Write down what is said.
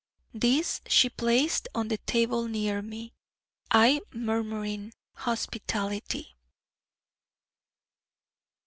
These she placed on the table near me, I murmuring: 'Hospitality.'